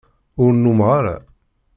Ur numeɣ ara.